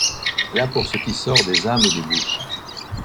Elle a pour ce qui sort des âmes et des bouches